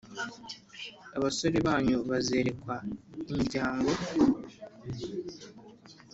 Abasore banyu bazerekwa imiryango.